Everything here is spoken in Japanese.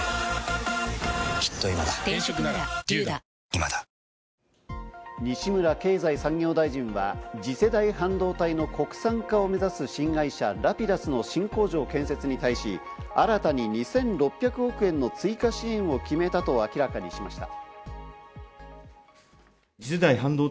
今朝の東京株西村経済再生担当大臣は次世代半導体の国産化を目指す新会社ラピダスの新工場建設に対し、新たに２６００億円の追加支援を決めたと明らかにしました。